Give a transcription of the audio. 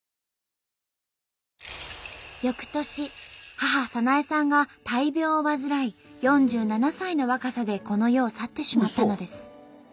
翌年母早苗さんが大病を患い４７歳の若さでこの世を去ってしまったのです。